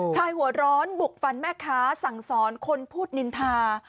หัวร้อนบุกฟันแม่ค้าสั่งสอนคนพูดนินทา